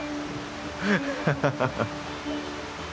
ハハハハハ。